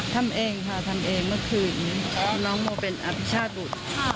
ทำเองค่ะทำเองเมื่อคืนนี้น้องโมเป็นอภิชาติบุตร